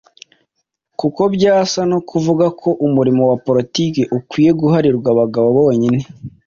kuko byasa no kuvuga ko umurimo wa politiki ukwiye guharirwa abagabo bonyine